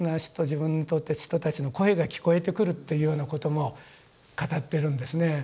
自分にとって人たちの声が聞こえてくるっていうようなことも語ってるんですね。